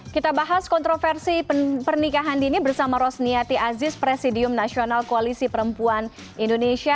kita bahas kontroversi pernikahan dini bersama rosniati aziz presidium nasional koalisi perempuan indonesia